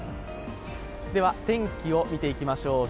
では、天気を見ていきましょう。